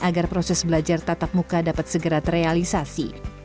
agar proses belajar tatap muka dapat segera terrealisasi